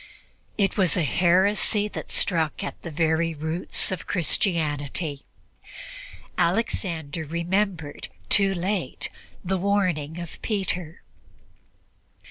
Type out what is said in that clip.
It was a heresy that struck at the very roots of Christianity. Alexander remembered, too late, the warning of Peter.